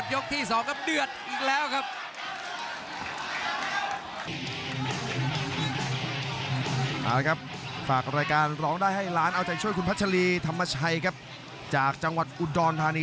อยากเล่นเทียมจะสวนด้วยสองครับตบด้วยสองซ้าย